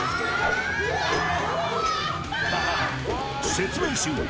［説明しよう！